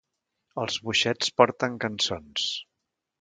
Els boixets porten cançons.